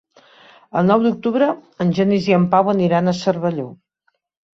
El nou d'octubre en Genís i en Pau aniran a Cervelló.